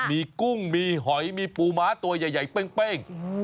มีกุ้งมีหอยมีปูม้าตัวใหญ่เป้ง